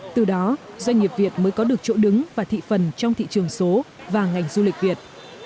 từ đó doanh nghiệp việt mới có được chỗ đứng và thị phần trong thị trường số và ngành du lịch việt